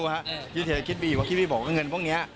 เฮียเทชิ์คิดบีคิดว่าก็เงินของเนี้ย